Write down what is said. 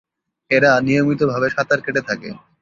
এরা নিয়মিতভাবে সাঁতার কেটে থাকে।